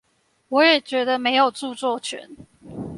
我也覺得沒有著作權